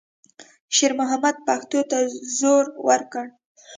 شېرمحمد پښو ته زور ورکړ.